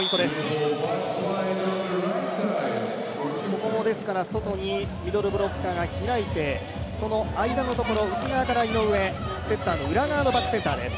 ここも外にミドルブロッカーが開いて、この間のところ、内側から井上セッターの裏側のバックセンターです。